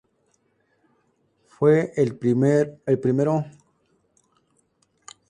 Fue el primero publicado en la "revista Tintin".